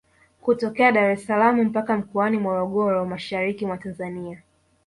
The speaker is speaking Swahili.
Kutokea Dar es salaam mpaka Mkoani Morogoro mashariki mwa Tanzania